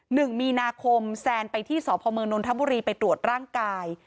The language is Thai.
หนึ่งมีนาคมแซนไปที่สพมนนทบุรีไปตรวจร่างกาย